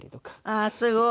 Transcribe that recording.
あっすごい。